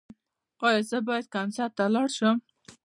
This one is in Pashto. ایا زه باید کنسرت ته لاړ شم؟